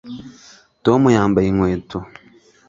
Tom yambaye inkweto